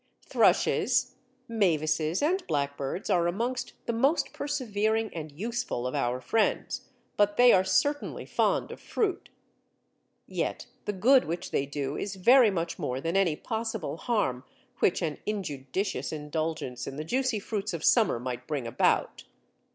Thrushes, mavises, and blackbirds are amongst the most persevering and useful of our friends, but they are certainly fond of fruit. Yet the good which they do is very much more than any possible harm which an injudicious indulgence in the juicy fruits of summer might bring about.